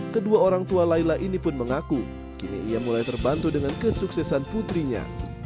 kedua orang tua laila ini pun mengaku kini ia mulai terbantu dengan kesuksesan putrinya